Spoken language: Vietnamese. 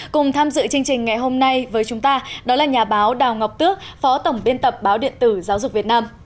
cùng tham dự chương trình ngày hôm nay với chúng ta đó là nhà báo đào ngọc tước phó tổng biên tập báo điện tử giáo dục việt nam